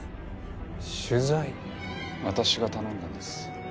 私が頼んだんです。